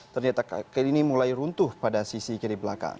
ternyata kini mulai runtuh pada sisi kiri belakang